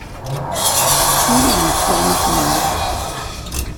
Ssiridemt tuɣmas-nwent.